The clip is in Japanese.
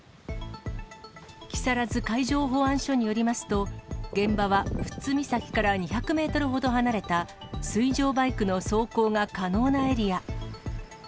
木更津海上保安署によりますと、現場は富津岬から２００メートルほど離れた、水上バイクの走行が可能なエリア。